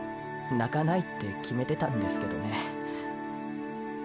泣かないって決めてたんですけどね。